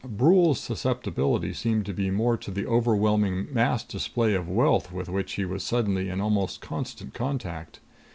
Brule's susceptibility seemed to be more to the overwhelming mass display of wealth with which he was suddenly in almost constant contact.